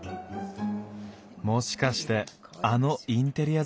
もしかしてあのインテリア雑貨かな？